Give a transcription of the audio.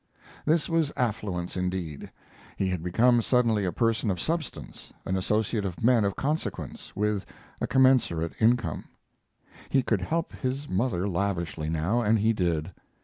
This was affluence indeed. He had become suddenly a person of substance an associate of men of consequence, with a commensurate income. He could help his mother lavishly now, and he did.